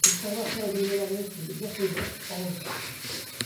L'observatoire est devenu un organisme de bienfaisance enregistré.